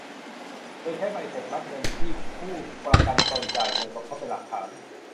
โดยใช้ใบเสร็จรับเงินที่ผู้ประกันตนจ่ายเงินสมทบเป็นหลักฐาน